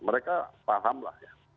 mereka pahamlah ya